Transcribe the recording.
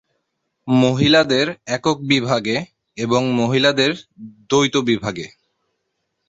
মহিলাদের একক বিভাগে এবং মহিলাদের দ্বৈত বিভাগে।